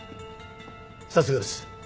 さすがです。